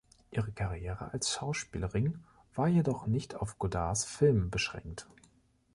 Ihre Karriere als Schauspielering war jedoch nicht auf Godards Filme beschränkt.